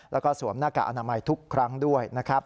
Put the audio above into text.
แล้วก็สวมหน้ากากอนามัยทุกครั้งด้วยนะครับ